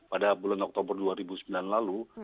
pada bulan oktober dua ribu sembilan lalu